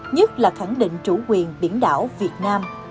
nhất là khẳng định chủ quyền biển đảo việt nam